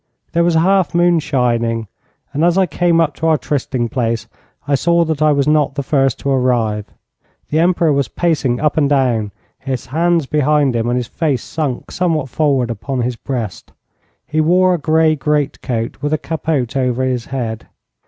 There was a half moon shining, and, as I came up to our trysting place, I saw that I was not the first to arrive. The Emperor was pacing up and down, his hands behind him and his face sunk somewhat forward upon his breast. He wore a grey great coat with a capote over his head.